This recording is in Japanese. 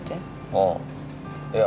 ああいや